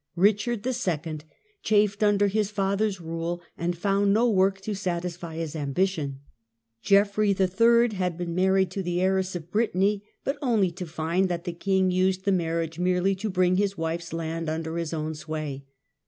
Richard, the second, chafed under his fathers rule, and found no work to satisfy his ambition. Geoffrey, the third, had been married to the heiress of Brittany, but only to find that the king used the marriage merely to bring his wife's land under his own sway.